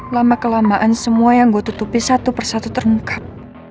lama kelamaan semua yang gue tutupi satu persatu terungkap